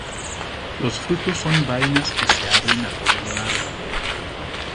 Los frutos son vainas que se abren a todo lo largo.